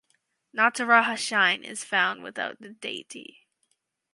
Nataraja shrine is found without the deity.